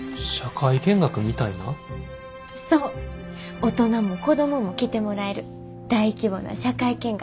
大人も子供も来てもらえる大規模な社会見学！